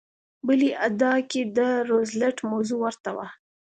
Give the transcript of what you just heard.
بلې ادعا کې د روزولټ موضوع ورته وه.